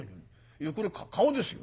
いやこれ顔ですよ」。